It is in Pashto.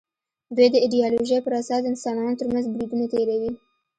دوی د ایدیالوژۍ پر اساس د انسانانو تر منځ بریدونه تېروي